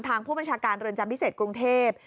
ทางผู้บัญชาการเรือนจำพิเศษกรุงเทพ